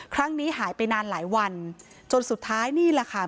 หายไปนานหลายวันจนสุดท้ายนี่แหละค่ะ